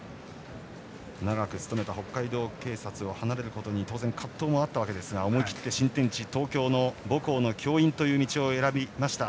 長く勤めた北海道警察を離れることに当然、葛藤もあったわけですが思い切って、新天地東京の母校の教員の道を選びました。